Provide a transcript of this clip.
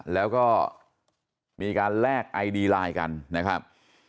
แล้วก็มีการแลกไอดีไลน์กันนะครับ